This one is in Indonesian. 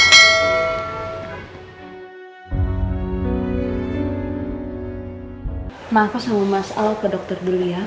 maaf sama mas al ke dokter dulu ya